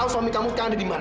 aku memang bukan fadil